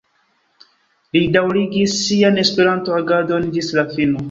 Li daŭrigis sian Esperanto-agadon ĝis la fino.